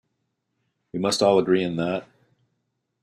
We must all agree in that.